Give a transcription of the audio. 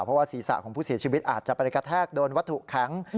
เพราะว่าศีรษะของผู้เสียชีวิตอาจจะไปกระแทกโดนวัตถุแข็ง